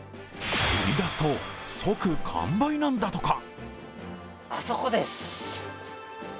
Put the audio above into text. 売り出すと即完売なんだとか。